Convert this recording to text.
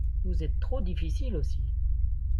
Vous êtes trop difficile aussi.